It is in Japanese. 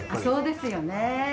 そうですよね。